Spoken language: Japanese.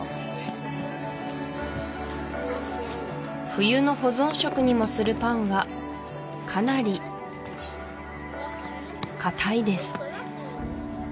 冬の保存食にもするパンはかなり硬いです